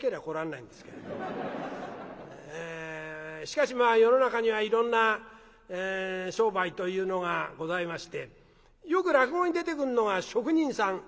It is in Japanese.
しかしまあ世の中にはいろんな商売というのがございましてよく落語に出てくるのが職人さん。